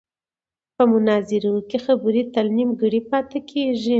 په مناظرو کې خبرې تل نیمګړې پاتې کېږي.